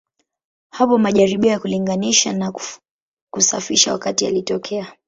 Hapo majaribio ya kulinganisha na kusafisha wakati yalitokea.